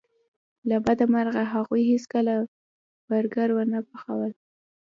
له بده مرغه هغوی هیڅکله برګر ونه پخول